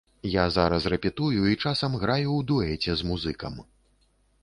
Я зараз рэпетую і часам граю ў дуэце з музыкам.